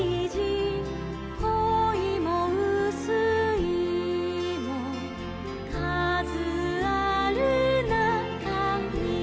「こいもうすいもかずあるなかに」